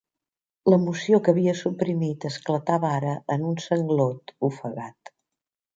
L'emoció que havia suprimit esclatava ara en un sanglot ofegat.